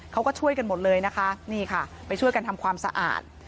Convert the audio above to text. เขาก็ช่วยกันหมดเลยนะคะนี่ค่ะไปช่วยกันทำความสะอาด